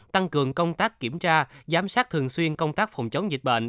tăng cường công tác kiểm tra giám sát thường xuyên công tác phòng chống dịch bệnh